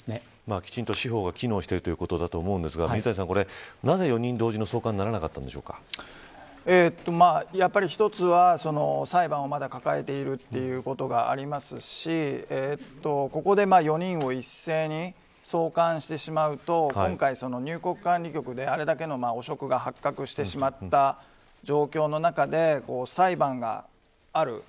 きちんと司法が機能しているということだと思うんですが水谷さん、なぜ４人同時の送還にやはり一つは裁判をまだ抱えているということがありますしここで４人を一斉に送還してしまうと今回、入国管理局であれだけの汚職が発覚してしまった状況の中で裁判がある。